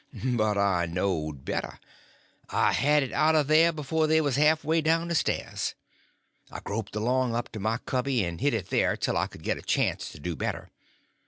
But I knowed better. I had it out of there before they was half way down stairs. I groped along up to my cubby, and hid it there till I could get a chance to do better.